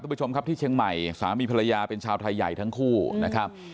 ผู้ชมครับที่เชียงใหม่สามีภรรยาเป็นชาวไทยใหญ่ทั้งคู่นะครับ